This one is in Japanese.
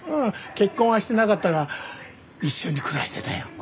結婚はしてなかったが一緒に暮らしてたよ。